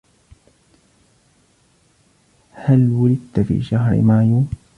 هل ولدت في شهر مايو؟